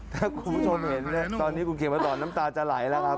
ถ้าคุณผู้ชมเห็นตอนนี้คุณเขียนมาสอนน้ำตาจะไหลแล้วครับ